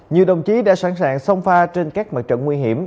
nhiều đồng chí đã sẵn sàng sông pha trên các mặt trận nguy hiểm